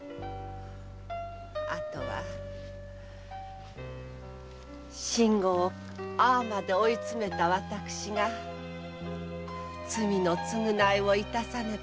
あとは信吾をああまで追いつめた私が罪の償いを致さねばなりません。